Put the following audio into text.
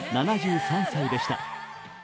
７３歳でした。